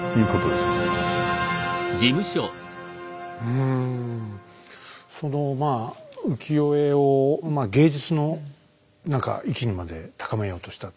うんそのまあ浮世絵を芸術の何か域にまで高めようとした。